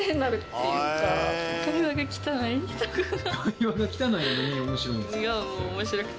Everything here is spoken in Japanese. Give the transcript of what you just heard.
会話が汚いのに面白いんですか？